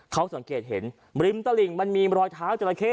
เขาสังเกตเห็นริมตลิ่งมันมีรอยเท้าจราเข้